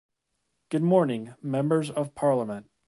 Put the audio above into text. Good morning, members of parliament.